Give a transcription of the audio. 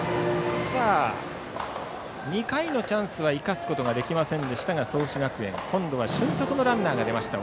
２回のチャンスは生かすことができませんでしたが創志学園、今度は俊足のランナーが出ました。